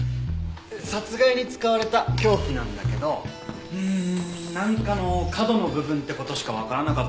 殺害に使われた凶器なんだけどうーんなんかの角の部分って事しかわからなかったよ。